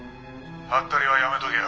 「はったりはやめておけよ」